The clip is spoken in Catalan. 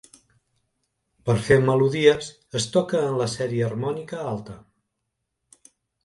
Per fer melodies, es toca en la sèrie harmònica alta.